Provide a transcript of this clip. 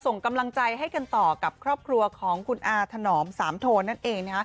ส่งกำลังใจให้กันต่อกับครอบครัวของคุณอาถนอมสามโทนนั่นเอง